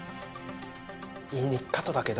言いにくかとだけど。